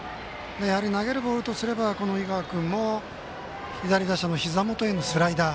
投げるボールとすれば井川君も左打者のひざ元へのスライダー